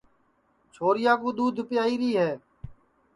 چھوریا کُو دؔودھ پیائیری ہے